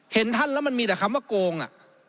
เห็นท่านแล้วมันมีแต่คำว่าโกงอ่ะ